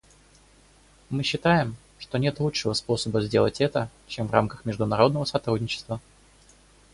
Мы считаем, что нет лучшего способа сделать это, чем в рамках международного сотрудничества.